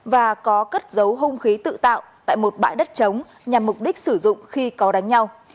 và có cất dấu hung khí tự tạo tại một bãi đất chống nhằm mục đích sử dụng khi có đánh nhau